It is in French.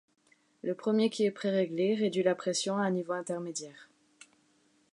Le premier qui est pré-réglé réduit la pression à un niveau intermédiaire.